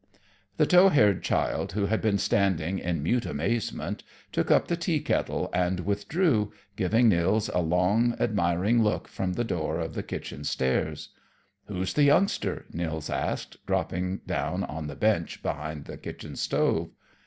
The tow haired child, who had been standing in mute amazement, took up the tea kettle and withdrew, giving Nils a long, admiring look from the door of the kitchen stairs. "Who's the youngster?" Nils asked, dropping down on the bench behind the kitchen stove.